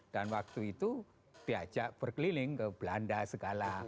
dan waktu itu diajak berkeliling ke belanda segala